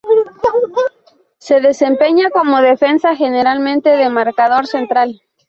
Se desempeña como defensa, generalmente de marcador central.